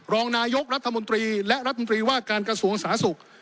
รองนายกรัฐมนตรีและรัฐมนตรีว่าการกระทรวงสาธารณสุข